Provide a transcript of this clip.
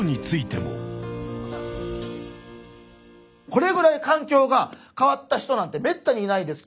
これぐらいかん境が変わった人なんてめったにいないです。